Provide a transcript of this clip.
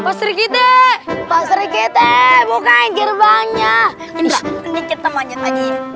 pasir kita bukan jirbanya